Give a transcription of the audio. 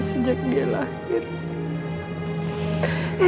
sejak dia lahir